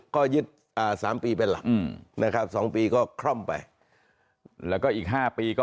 ก็ยึด๓ปีเป็นหลักนะครับ๒ปีก็คล่อมไปแล้วก็อีก๕ปีก็